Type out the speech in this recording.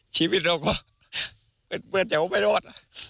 ชีวิตเราก็เป็นเวลาแต่ว่าไม่รอด